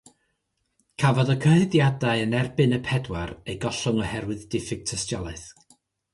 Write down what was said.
Cafodd y cyhuddiadau yn erbyn y pedwar eu gollwng oherwydd diffyg tystiolaeth.